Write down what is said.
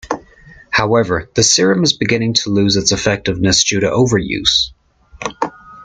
However, the serum is beginning to lose its effectiveness due to overuse.